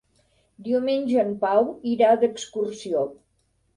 Diumenge en Pau irà d'excursió.